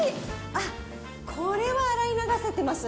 あっ、これは洗い流せてます。